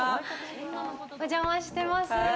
お邪魔してます。